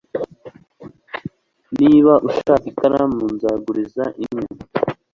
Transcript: niba ushaka ikaramu, nzaguriza imwe